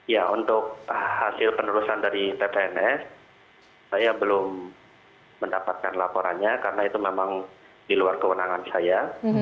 ya untuk hasil penerusan dari ppns saya belum mendapatkan laporannya karena itu memang di luar kewenangan saya